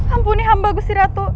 ampuni hamba gusiratu